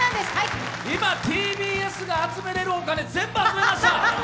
今ＴＢＳが集められるお金、全部集めました。